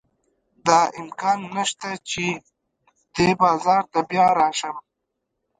دا امکان نه شته چې دې بازار ته بیا راشم.